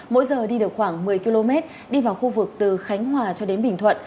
mỗi giờ đi được khoảng một mươi km đi vào khu vực từ khánh hòa cho đến bình thuận